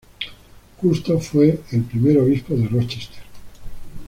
Justo fue el primer obispo de Rochester.